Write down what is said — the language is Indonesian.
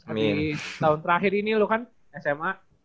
abis tahun terakhir ini lo kan sma